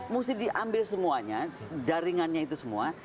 mesti diambil semuanya jaringannya itu semua